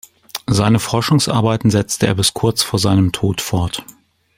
Seine Forschungsarbeiten setzte er bis kurz vor seinem Tod fort.